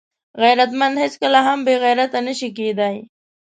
غیرتمند هیڅکله هم بېغیرته نه شي کېدای